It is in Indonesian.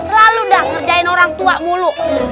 selalu dah ngerjain orang tua mulu